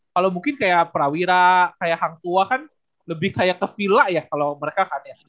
kalo mungkin kayak prawira kayak hang tua kan lebih kayak ke villa ya kalo mereka kan ya